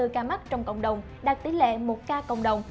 tám mươi bốn ca mắc trong cộng đồng đạt tỷ lệ một ca cộng đồng